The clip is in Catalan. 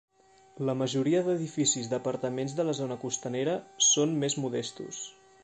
La majoria d"edificis d"apartaments de la zona costanera són més modestos.